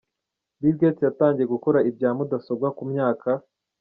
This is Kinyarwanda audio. Bill Gates yatangiye gukora ibya mudasobwa ku myaka .